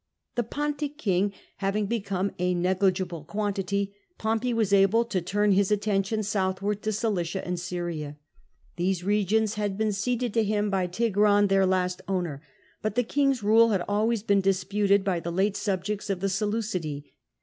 The Pontic king having become a negligible quantity, Pompey was able to turn his attention southward to Cilicia^ and Syria. These regions had been ceded to him by Tigranes, their last owner, but the king's rule had always been disputed by the late subjects of the Seleu cidffi.